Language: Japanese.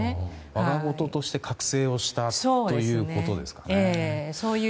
我がごととして覚醒をしたということですかね。